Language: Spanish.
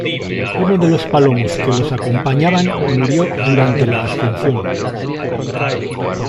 Uno de los palomos que los acompañaban murió durante la ascensión.